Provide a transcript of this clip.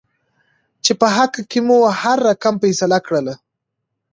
چې په حق کې مو هر رقم فيصله کړله.